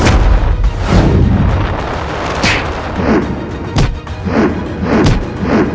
semoga aku tetap juga diligence karena mereka billsan committee ini